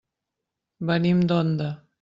Venim d'Onda.